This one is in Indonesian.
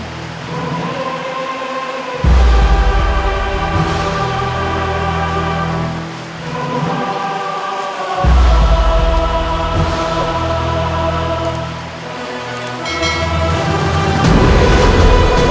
di ujung kaos